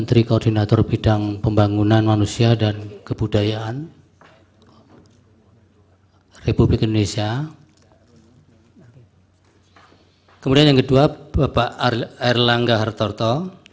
terima kasih yang mulia